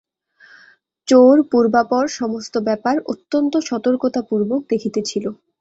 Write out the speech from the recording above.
চোর পূর্বাপর সমস্ত ব্যাপার অত্যন্ত সতর্কতাপূর্বক দেখিতেছিল।